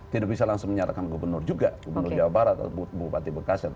tidak bisa langsung menyalahkan gubernur juga gubernur jawa barat bupati bekasi atau wali kota bekasi misalnya